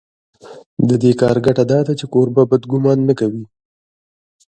د دې کار ګټه دا ده چې کوربه بد ګومان نه کوي.